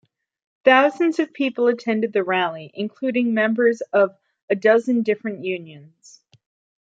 Thousands of people attended the rally, including members of a dozen different unions.